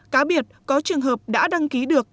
cá biệt có trường hợp đã đăng ký được